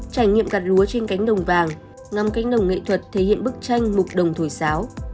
trải nghiệm gạt lúa trên cánh đồng vàng nằm cánh đồng nghệ thuật thể hiện bức tranh mục đồng thổi sáo